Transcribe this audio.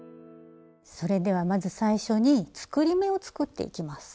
それではまず最初に作り目を作っていきます。